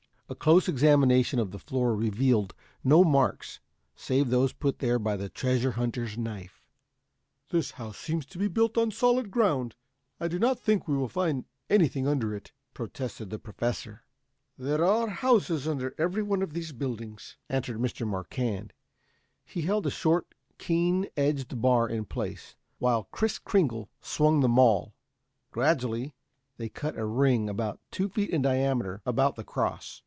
A close examination of the floor revealed no marks save those put there by the treasure hunter's knife. "This house seems to be built on the solid ground. I do not think you will find anything under it," protested the Professor. "There are houses under every one of these buildings," answered Mr. Marquand. He held a short, keen edged bar in place, while Kris Kringle swung the maul. Gradually they cut a ring about two feet in diameter about the cross.